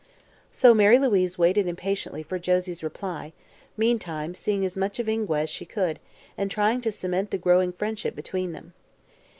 So Mary Louise waited impatiently for Josie's reply, meantime seeing as much of Ingua as she could and trying to cement the growing friendship between them.